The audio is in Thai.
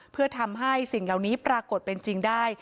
เพื่อทำให้สิ่งเหล่านี้ปรากฏเป็นจริงได้